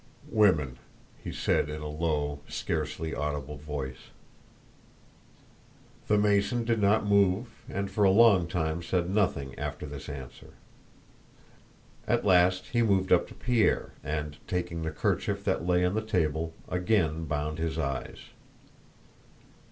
"Women," he said in a low, scarcely audible voice. The Mason did not move and for a long time said nothing after this answer. At last he moved up to Pierre and, taking the kerchief that lay on the table, again bound his eyes.